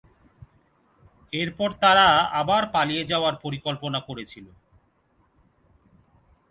এর পর তারা আবার পালিয়ে যাওয়ার পরিকল্পনা করেছিল।